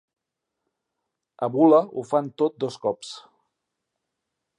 A Bula ho fan tot dos cops.